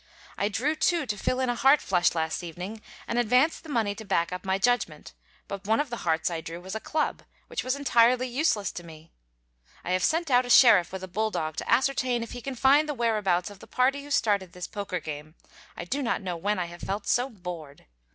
I drew two to fill in a heart flush last evening, and advanced the money to back up my judgment; but one of the hearts I drew was a club, which was entirely useless to me. I have sent out a sheriff with a bulldog to ascertain if he can find the whereabouts of the party who started this poker game, I do not know when I have felt so bored.